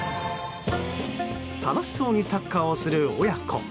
楽しそうにサッカーをする親子。